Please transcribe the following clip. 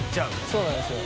そうなんですよ